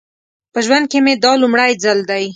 په ژوند کې مې دا لومړی ځل دی.